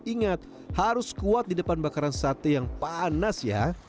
ingat harus kuat di depan bakaran sate yang panas ya